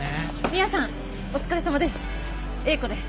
ミアさんお疲れさまです。